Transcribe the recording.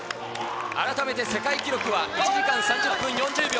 改めて世界記録は１時間３０分４０秒。